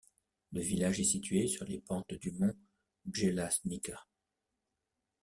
Le village est situé sur les pentes du mont Bjelašnica.